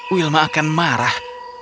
wilma akan marah